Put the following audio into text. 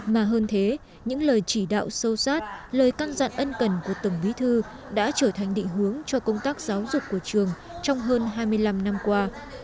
mà hơn thế những lời chỉ đạo sâu sát lời căn dặn ân cần của tổng bí thư đã trở thành định hướng cho công tác giáo dục của trường trong hơn hai mươi năm năm qua